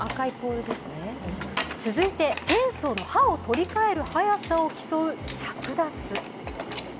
続いてチェーンソーの歯を取り替える速さを競う着脱。